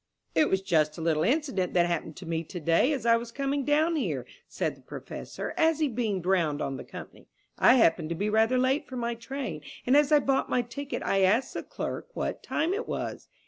"It was just a little incident that happened to me to day as I was coming down here," said the Professor, as he beamed round on the company. "I happened to be rather late for my train, and as I bought my ticket I asked the clerk what time it was.